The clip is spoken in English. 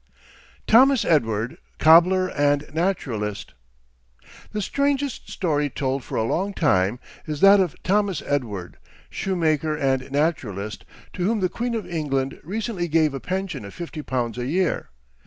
THOMAS EDWARD, COBBLER AND NATURALIST. The strangest story told for a long time is that of Thomas Edward, shoemaker and naturalist, to whom the Queen of England recently gave a pension of fifty pounds a year.